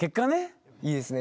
いいですね。